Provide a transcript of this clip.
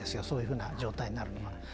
そういうふうな状態になるのは。